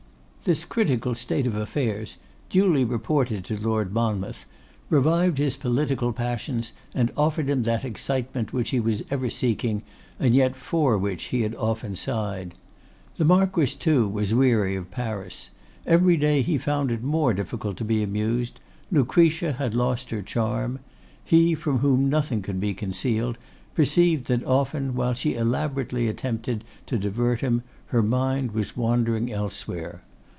This critical state of affairs, duly reported to Lord Monmouth, revived his political passions, and offered him that excitement which he was ever seeking, and yet for which he had often sighed. The Marquess, too, was weary of Paris. Every day he found it more difficult to be amused. Lucretia had lost her charm. He, from whom nothing could be concealed, perceived that often, while she elaborately attempted to divert him, her mind was wandering elsewhere.